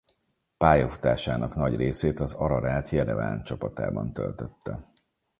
Pályafutásának nagy részét az Ararat Jerevan csapatában töltötte.